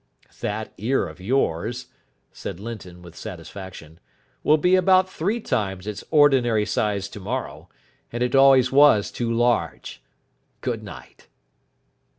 "That ear of yours," said Linton with satisfaction, "will be about three times its ordinary size tomorrow. And it always was too large. Good night."